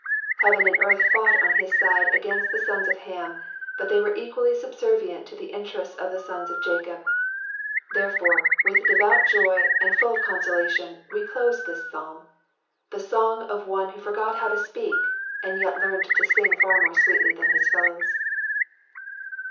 Heaven and earth fought on his side against the sons of Ham, but they were equally subservient to tne interests of the sons of Jacob. Therefore, with devout joy and full of consolation, we close this Psalm ; the song of one who forgot how to speak and yet learned to sing far more sweetly than his fellows.